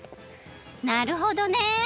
なるほどね！